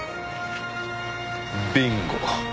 ビンゴ。